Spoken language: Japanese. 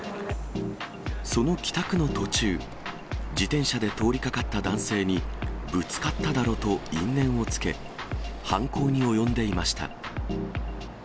その帰宅の途中、自転車で通りかかった男性にぶつかっただろと因縁をつけ、犯行に及んでいました。